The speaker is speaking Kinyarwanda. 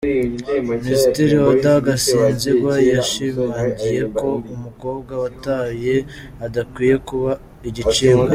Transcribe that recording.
Minisitiri Oda Gasinzigwa yashimangiye ko umukobwa watwaye adakwiye kuba igicibwa.